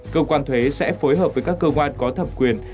cơ quan thuế sẽ phối hợp với các cơ quan có thẩm quyền